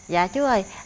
dạ chú ơi